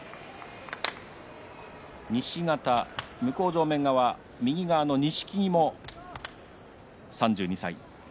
西方、向正面側右側の錦木も３２歳。